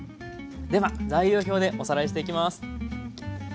では材料表でおさらいしていきます。